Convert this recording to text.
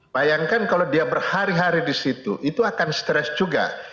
bayangkan kalau dia berhari hari di situ itu akan stres juga